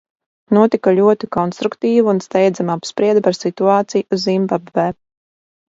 Notika ļoti konstruktīva un steidzama apspriede par situāciju Zimbabvē.